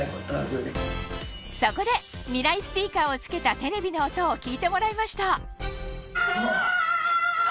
そこでミライスピーカーを付けたテレビの音を聞いてもらいましたわっ！